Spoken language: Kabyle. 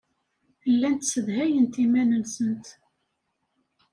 Llant ssedhayent iman-nsent.